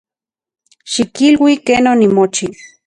Xikilui ken onimochi.